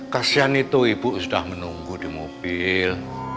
kasian itu ibu sudah menunggu di mobil